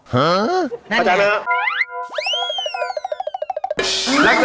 ฮึนั่นนะนั่นนะนั่นนะนั่นนะ